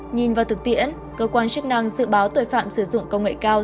nhìn vào thực tiễn cơ quan chức năng dự báo tội phạm sử dụng công nghệ cao